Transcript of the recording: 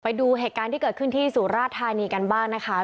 ไปดูเหตุการณ์ที่เกิดขึ้นที่สุราธานีกันบ้างนะคะ